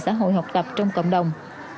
xã hội học tập trong cộng đồng